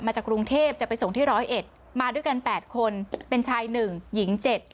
มาจากกรุงเทพจะไปส่งที่ร้อยเอ็ดมาด้วยกันแปดคนเป็นชายหนึ่งหญิงเจ็ด